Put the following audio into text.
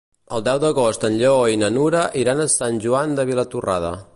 El deu d'agost en Lleó i na Nura iran a Sant Joan de Vilatorrada.